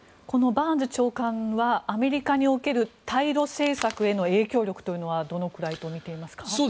このバーンズ長官はアメリカにおける対ロ政策への影響力というのはどのくらいと見ていますか？